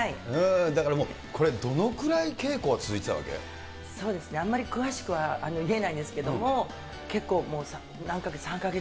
だからもう、これ、どのくらい稽あんまり詳しくは言えないんですけども、結構もう、何か月？